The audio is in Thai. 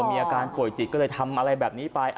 มีอาการป่วยจิตก็เลยทำอะไรแบบนี้ไป